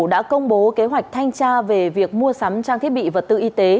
đã công bố kế hoạch thanh tra về việc mua sắm trang thiết bị vật tư y tế